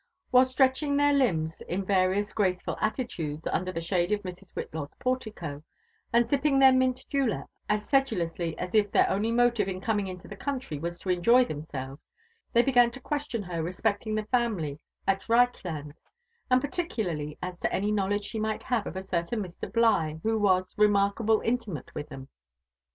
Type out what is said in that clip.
While stretching their limbs in various graceful attitudes under the shade of Mrs. Whitlaw's portico, and sipping their mint julap as sedu lously as if their only motive in coming into the country was to enjoy themselves, they began to question her respecting the family at Reich land, and particularly as to any knowledge she might have of a certain Mr. Bligh, who was remarkable intimate with um."